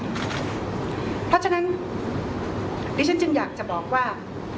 เพราะฉะนั้นดิฉันจึงอยากจะบอกว่า